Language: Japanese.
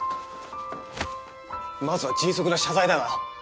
まずは迅速な謝罪だよな？